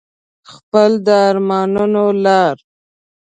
خپله د ارمانونو لار